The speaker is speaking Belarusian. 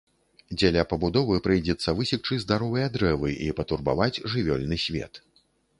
Дзеля пабудовы прыйдзецца высекчы здаровыя дрэвы і патурбаваць жывёльны свет.